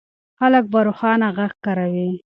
خلک به روښانه غږ کاروي.